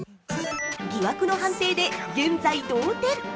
◆疑惑の判定で現在同点。